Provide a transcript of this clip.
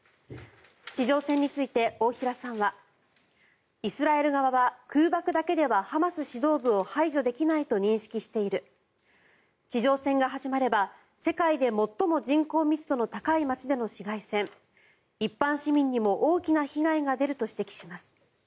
地上戦について大平さんはイスラエル側は空爆だけではハマス指導部を排除できないと認識している地上戦が始まれば世界で最も人口密度の高い街での市街戦一般市民にも大きな被害が出ると指摘します。